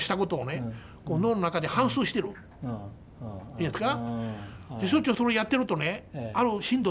いいですか？